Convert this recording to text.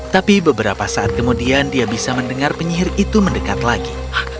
tapi beberapa saat kemudian dia bisa mendengar penyihir itu mendekat lagi